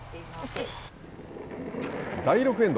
第６エンド。